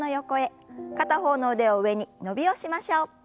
片方の腕を上に伸びをしましょう。